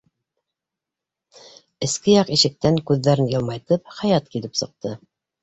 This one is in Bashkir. Эске яҡ ишектән, күҙҙәрен йылмайтып, Хаят килеп сыҡты.